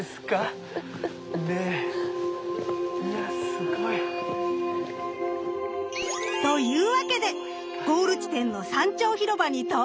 ねぇいやすごい。というわけでゴール地点の山頂広場に到着！